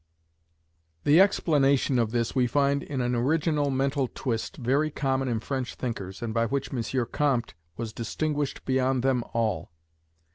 The explanation of this we find in an original mental twist, very common in French thinkers, and by which M. Comte was distinguished beyond them all.